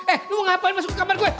eh gue ngapain masuk ke kamar gue